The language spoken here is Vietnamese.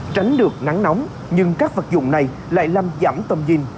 tránh được nắng nóng nhưng các vật dụng này lại làm giảm tầm nhìn